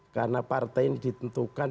karena partai ini ditentukan